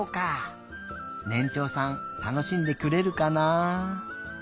ねんちょうさんたのしんでくれるかな。